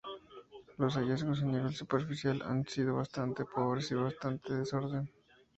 Los hallazgos a nivel superficial han sido bastante pobres y en bastante desorden.